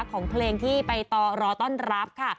ของเพลงที่ไปต่อรอต้อนรับค่ะ